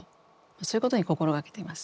そういうことに心掛けています。